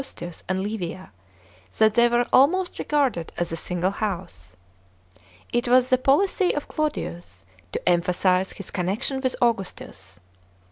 ^tus and Li via that they were almost regarded as a single house. It was the policy, oi Claudius to emphasize his connection with Augustus.